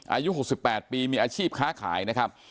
อายุหกสิบแปดปีมีอาชีพค้าขายนะครับ